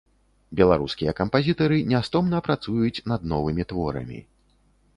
Беларускія кампазітары нястомна працуюць над новымі творамі.